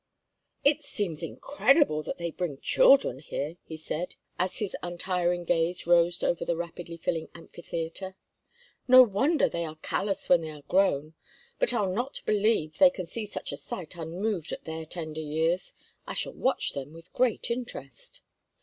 "It seems incredible that they bring children here," he said, as his untiring gaze roved over the rapidly filling amphitheatre. "No wonder they are callous when they are grown; but I'll not believe they can see such a sight unmoved at their tender years. I shall watch them with great interest."